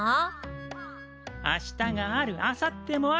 あしたがあるあさってもある。